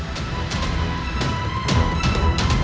itu ide bagus